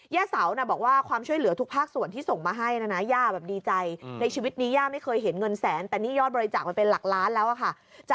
เสานะบอกว่าความช่วยเหลือทุกภาคส่วนที่ส่งมาให้นะนะย่าแบบดีใจในชีวิตนี้ย่าไม่เคยเห็นเงินแสนแต่นี่ยอดบริจาคมันเป็นหลักล้านแล้วอะค่ะ